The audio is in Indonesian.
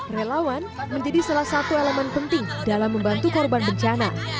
relawan menjadi salah satu elemen penting dalam membantu korban bencana